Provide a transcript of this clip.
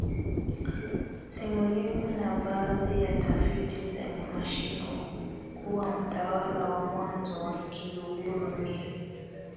simulizi na baadhi ya tafiti zenye mashiko kuwa Mtawala wa mwanzo wa Kiluguru ni